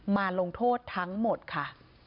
ลงโทษทั้งหมดค่ะ